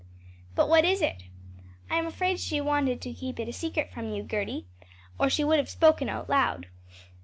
"But what is it?" "I'm afraid she wanted to keep it a secret from you, Gerty, or she would have spoken out loud."